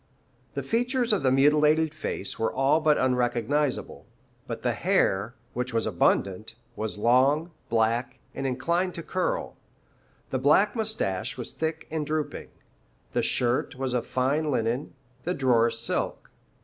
The features of the mutilated face were all but unrecognizable, but the hair, which was abundant, was long, black, and inclined to curl; the black moustache was thick and drooping. The shirt was of fine linen, the drawers silk.